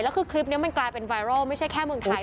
แล้วคือคลิปนี้มันกลายเป็นไวรัลไม่ใช่แค่เมืองไทย